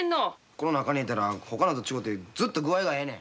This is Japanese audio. この中に入れたらほかのと違てずっと具合がええねん。